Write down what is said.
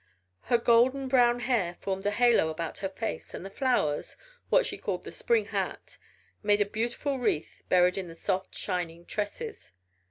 Her golden brown hair formed a halo about her face and the flowers (what she called the spring hat) made a beautiful wreath buried in the soft shining tresses.